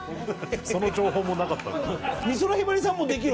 その情報もなかった。